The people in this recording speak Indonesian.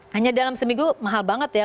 hanya dalam seminggu mahal banget ya